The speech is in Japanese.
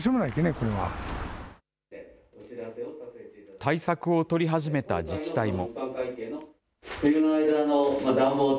対策を取り始めた自治体も。